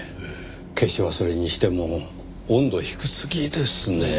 消し忘れにしても温度低すぎですね